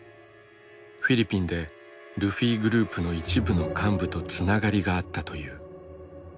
フィリピンでルフィグループの一部の幹部とつながりがあったという。